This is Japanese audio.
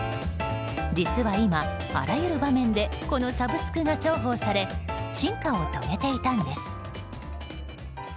実は今、あらゆる場面でこのサブスクが重宝され進化を遂げていたんです。